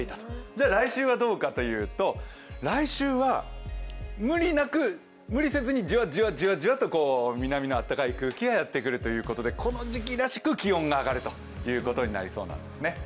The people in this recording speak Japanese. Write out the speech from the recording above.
じゃあ来週はどうかというと、来週は、無理せずにじわじわと南の空気がやってくるということでこの時期らしく気温が上がるということになりそうです。